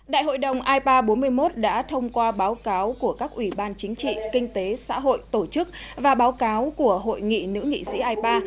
đại hội đồng ipa bốn mươi một đã thông qua báo cáo của các ủy ban chính trị kinh tế xã hội tổ chức và báo cáo của hội nghị nữ nghị sĩ ipa